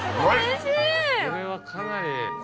これはかなり。